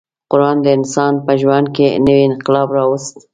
قران د انسانانو په ژوند کې نوی انقلاب راوست.